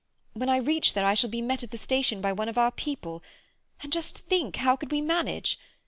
When I reach there I shall be met at the station by one of our people, and—just think, how could we manage?